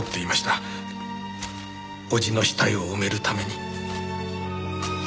叔父の死体を埋めるために。